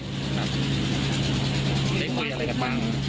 ได้คุยอะไรกันบ้าง